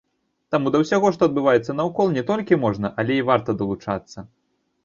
Таму да ўсяго, што адбываецца наўкол, не толькі можна, але і варта далучацца.